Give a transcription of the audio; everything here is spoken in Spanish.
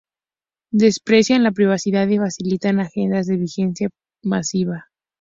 desprecian la privacidad y facilitan agendas de vigilancia masiva